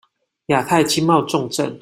亞太經貿重鎮